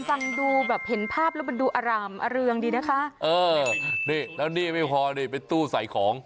ฟังดูแบบเห็นภาพแล้วมันดูอร่ามอเริงดีนะคะเออนี่แล้วนี่ไม่พอนี่เป็นตู้ใส่ของ